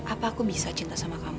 apa aku bisa cinta sama kamu